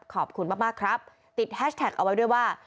ขอบคุณมากครับติดแฮชแท็กเอาไว้ด้วยว่า